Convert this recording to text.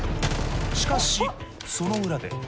しかしその裏で。